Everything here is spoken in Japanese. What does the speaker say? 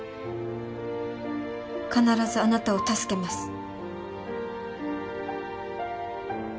必ずあなたを助けます。